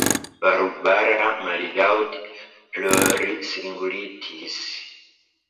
Barbara mallaŭte plorsingultis.